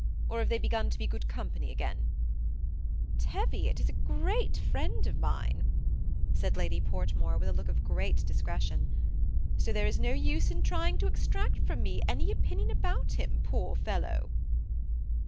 or have they begun to be good company again ?"" Teviot is a great friend of mine," said Lady Port more, with a look of great discretion. ^ So there is no use in trying to extract from me any opinion about him, poor fellow!"